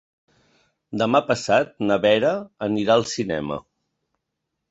Demà passat na Vera anirà al cinema.